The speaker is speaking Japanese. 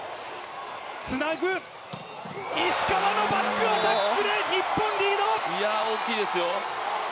つなぐ、石川のバックアタックで日本リード！